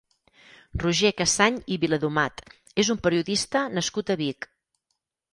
Roger Cassany i Viladomat és un periodista nascut a Vic.